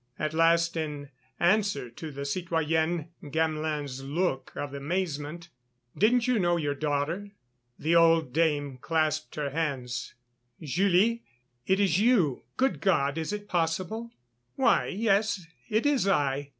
At last, in answer to the citoyenne Gamelin's look of amazement: "Don't you know your daughter?" The old dame clasped her hands: "Julie!... It is you.... Good God! is it possible?..." "Why, yes, it is I.